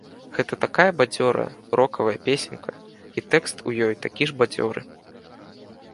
Гэта такая бадзёрая, рокавая песенька, і тэкст у ёй такі ж бадзёры.